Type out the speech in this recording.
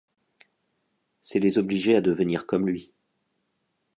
c'est les obliger à devenir comme lui.